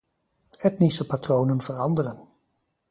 Etnische patronen veranderen.